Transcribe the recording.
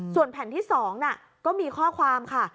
ส่วนแผ่นที่๒ก็มีข้อความค่ะ